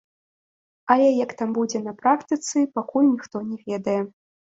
Але як там будзе на практыцы, пакуль ніхто не ведае.